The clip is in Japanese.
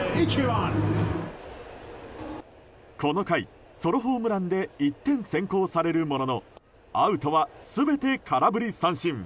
この回、ソロホームランで１点先行されるもののアウトは全て空振り三振。